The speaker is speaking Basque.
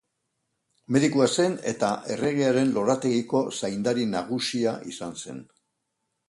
Medikua zen, eta erregearen lorategiko zaindari nagusia izan zen.